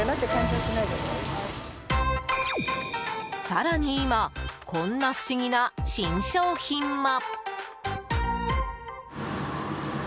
更に今こんな不思議な新商品も。